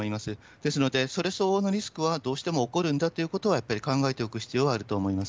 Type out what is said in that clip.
ですので、それ相応のリスクはどうしても起こるんだということは、やっぱり考えておく必要はあると思います。